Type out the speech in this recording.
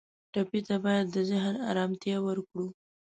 ټپي ته باید د ذهن آرامتیا ورکړو.